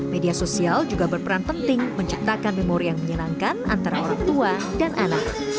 media sosial juga berperan penting menciptakan memori yang menyenangkan antara orang tua dan anak